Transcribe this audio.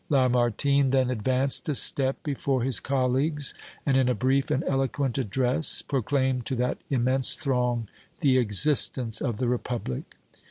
Lamartine then advanced a step before his colleagues, and in a brief and eloquent address proclaimed to that immense throng the existence of the Republic.